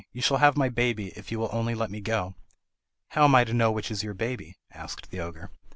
You shall have my baby, if you will only let me go." "How am I to know which is your baby?" asked the Ogre.